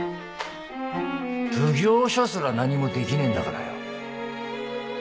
奉行所すら何もできねぇんだからよ